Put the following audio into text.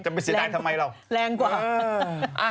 จะไปเสียดายทำไมเรา